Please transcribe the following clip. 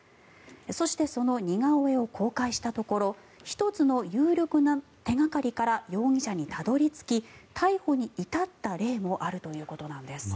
そしてその似顔絵を公開したところ１つの有力な手掛かりから容疑者にたどり着き逮捕に至った例もあるということなんです。